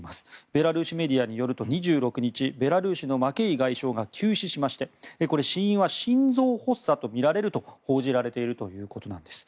ベラルーシメディアによると２６日ベラルーシのマケイ外相が急死しましてこれ、死因は心臓発作とみられると報じられているということなんです。